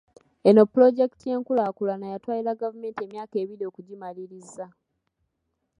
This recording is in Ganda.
Eno pulojekiti y'enkulaakulana yatwalira gavumenti emyaka ebiri okugimaliriza